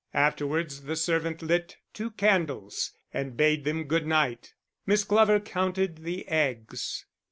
Afterwards the servant lit two candles and bade them good night. Miss Glover counted the eggs.